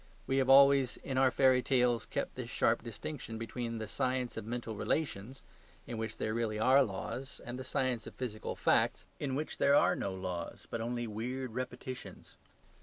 We have always in our fairy tales kept this sharp distinction between the science of mental relations, in which there really are laws, and the science of physical facts, in which there are no laws, but only weird repetitions.